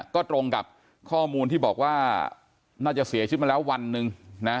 ก็ตรงกับข้อมูลที่บอกว่าน่าจะเสียชีวิตมาแล้ววันหนึ่งนะ